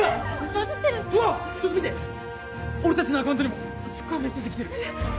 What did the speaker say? バズってるうわっちょっと見て俺達のアカウントにもすっごいメッセージ来てるえっ？